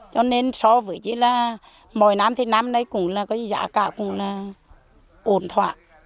cho nên so với mọi năm thì giá cả cũng ổn thoại